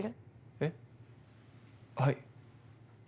あっはい。